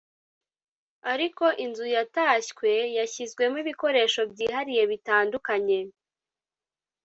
ariko inzu yatashywe yashyizwemo ibikoresho byihariye bitandukanye